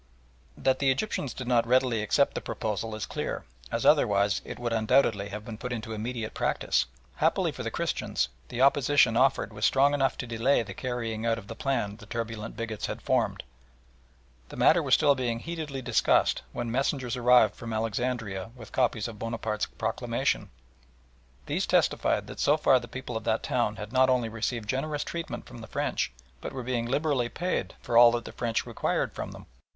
That the Egyptians did not readily accept the proposal is clear, as otherwise it would undoubtedly have been put into immediate practice. Happily for the Christians the opposition offered was strong enough to delay the carrying out of the plan the turbulent bigots had formed. The matter was still being heatedly discussed when messengers arrived from Alexandria with copies of Bonaparte's proclamation. These testified that so far the people of that town had not only received generous treatment from the French, but were being liberally paid for all that the French required from them.